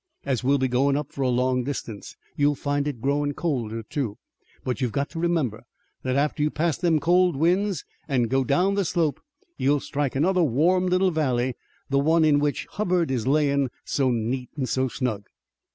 As we'll be goin' up for a long distance you'll find it growin' colder, too. But you've got to remember that after you pass them cold winds an' go down the slope you'll strike another warm little valley, the one in which Hubbard is layin' so neat an' so snug."